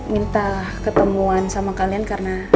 minta ketemuan sama kalian karena